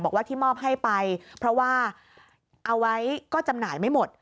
บอกว่าที่มอบให้ไปเพราะว่าเอาไว้ก็จำหน่ายไม่หมด